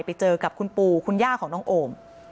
ไปเจอกับคุณปู่คุณย่าของน้องโอม